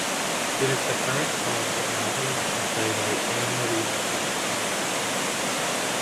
It is the current home of novelist and playwright Ann-Marie MacDonald.